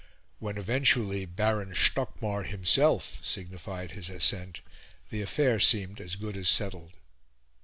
When eventually Baron Stockmar himself signified his assent, the affair seemed as good as settled.